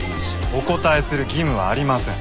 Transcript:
お答えする義務はありません。